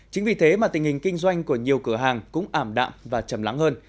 chính vì thế mà tình hình kinh doanh của nhiều cửa hàng cũng ảm đạm và chầm lắng hơn